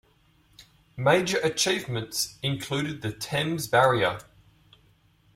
Major achievements included the Thames Barrier.